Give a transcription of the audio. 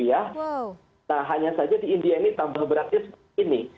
nah hanya saja di india ini tambah beratnya seperti ini